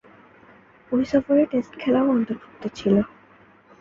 ঐ সফরে টেস্ট খেলাও অন্তর্ভুক্ত ছিল।